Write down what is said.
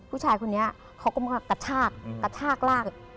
ผู้ชายคนนี้เขาก็มากระชากกระชากลาก